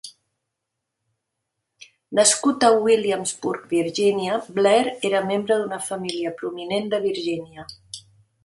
Nascut a Williamsburg, Virgínia, Blair era membre d'una família prominent de Virgínia.